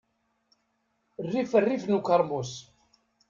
Rrif rrif n ukeṛmus.